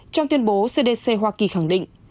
trong tuyên bố cdc hoa kỳ khẳng định